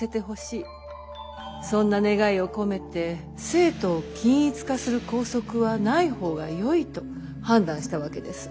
そんな願いを込めて生徒を均一化する校則はない方がよいと判断したわけです。